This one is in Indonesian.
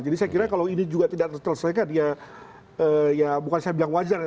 jadi saya kira kalau ini juga tidak terselesaikan ya bukan saya bilang wajar ya